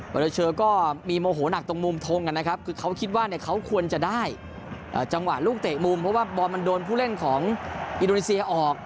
อเตอร์เชอร์ก็มีโมโหนักตรงมุมทงนะครับคือเขาคิดว่าเขาควรจะได้จังหวะลูกเตะมุมเพราะว่าบอลมันโดนผู้เล่นของอินโดนีเซียออก